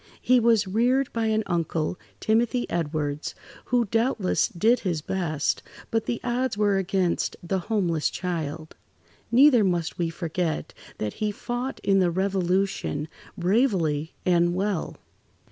He was reared by an uncle, Timothy Edwards, who doubtless did his best, but the odds were against the homeless child. Neither must we forget that he fought in the Revolution, bravely and well.